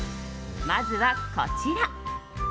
まずは、こちら。